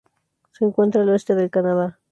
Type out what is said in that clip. Se encuentra al oeste del Canadá.